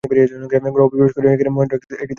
গৃহে প্রবেশ করিয়া মহেন্দ্র একটি দাসীকে দেখিতে পাইলেন।